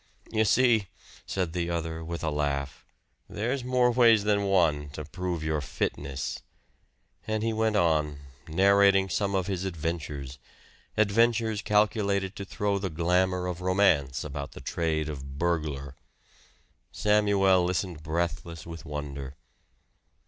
"You see," said the other with a laugh, "there's more ways than one to prove your fitness." And he went on, narrating some of his adventures adventures calculated to throw the glamour of romance about the trade of burglar. Samuel listened breathless with wonder.